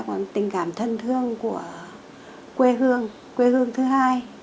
còn tình cảm thân thương của quê hương quê hương thứ hai